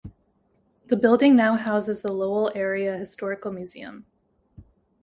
The building now houses the Lowell Area Historical Museum.